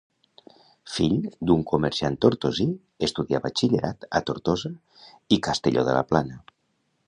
Fill d'un comerciant tortosí, estudià batxillerat a Tortosa i Castelló de la Plana.